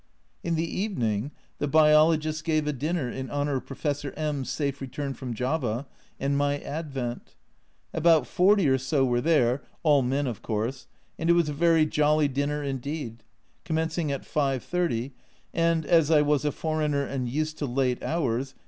In the evening the Biologists gave a dinner in honour of Professor M \r safe return from Java, and my advent. About forty or so were there (all men, of course), and it was a very jolly dinner indeed, commencing at 5.30, and as I was a foreigner and used to late hours